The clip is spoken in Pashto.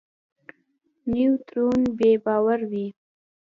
نیوترون بې بار وي.